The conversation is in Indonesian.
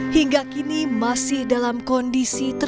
hingga kini masih dalam kondisi terkini